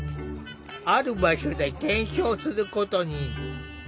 ある場所で検証することに。